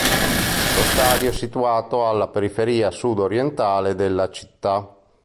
Lo stadio è situato alla periferia sudorientale della città.